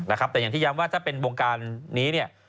แต่อย่างที่ย้ำว่าถ้าเป็นวงการนี้เนี่ย